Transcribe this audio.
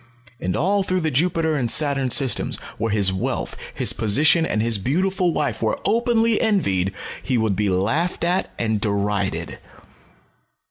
And all through the Jupiter and Saturn systems, where his wealth, his position, and his beautiful wife were openly envied, he would be laughed at and derided.